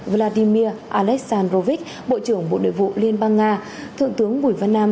vladimir aleksandrovich bộ trưởng bộ nội vụ liên bang nga thượng tướng bùi văn nam